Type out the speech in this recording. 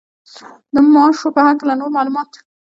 د ماشو په هکله نور معلومات.